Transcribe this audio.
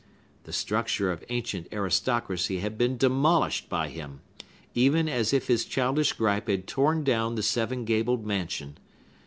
The structure of ancient aristocracy had been demolished by him, even as if his childish gripe had torn down the seven gabled mansion.